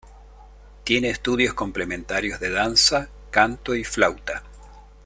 Tiene estudios complementarios de danza, canto y flauta.